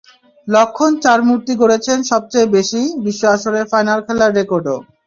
লঙ্কার চার মূর্তি গড়েছেন সবচেয়ে বেশি বিশ্ব আসরের ফাইনাল খেলার রেকর্ডও।